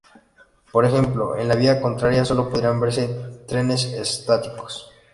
Por ejemplo, en la vía contraria sólo podrán verse trenes estáticos.